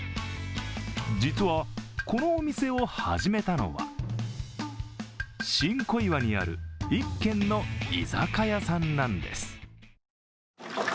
実は、このお店を始めたのは新小岩にある１軒の居酒屋さんなんです。